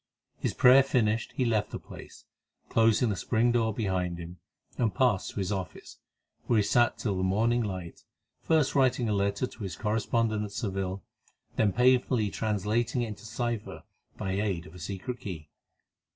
His prayer finished, he left the place, closing the spring door behind him, and passed to his office, where he sat till the morning light, first writing a letter to his correspondent at Seville, and then painfully translating it into cipher by aid of a secret key.